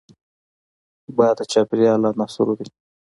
باد د چاپېریال له عناصرو دی